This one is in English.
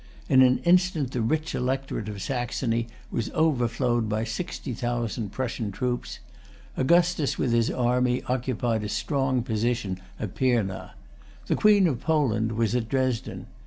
In an instant the rich electorate of Saxony was overflowed by sixty thousand Prussian troops. Augustus with his army occupied a strong position at Pirna. The Queen of Poland was at Dresden.